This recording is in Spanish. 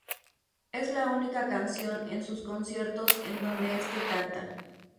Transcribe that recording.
Es la única canción en sus conciertos en donde este canta.